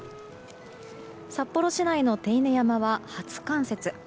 札幌市内の手稲山は初冠雪。